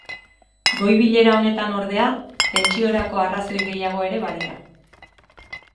Goi bilera honetan ordea, tentsiorako arrazoi gehiago ere badira.